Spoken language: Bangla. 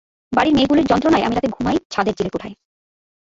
বাড়ির মেয়েগুলির যন্ত্রণায় আমি রাতে ঘুমাই ছাদের চিলেকোঠায়।